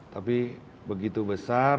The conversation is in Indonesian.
tapi begitu besar